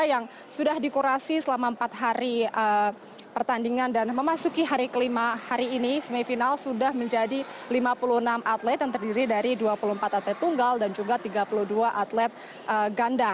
yang sudah dikurasi selama empat hari pertandingan dan memasuki hari kelima hari ini semifinal sudah menjadi lima puluh enam atlet yang terdiri dari dua puluh empat atlet tunggal dan juga tiga puluh dua atlet ganda